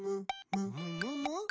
「むむむっ？」